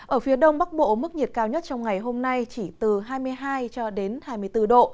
ở phía đông bắc bộ mức nhiệt cao nhất trong ngày hôm nay chỉ từ hai mươi hai cho đến hai mươi bốn độ